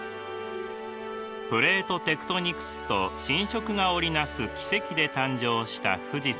プレートテクトニクスと侵食が織り成す奇跡で誕生した富士山。